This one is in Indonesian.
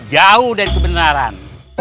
jauh dari kebenaran